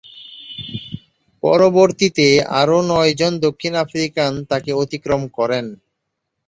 পরবর্তীতে আরও নয়জন দক্ষিণ আফ্রিকান তাকে অতিক্রম করেন।